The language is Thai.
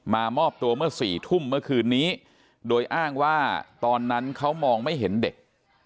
มามอบตัวเมื่อ๔ทุ่มเมื่อคืนนี้โดยอ้างว่าตอนนั้นเขามองไม่เห็นเด็ก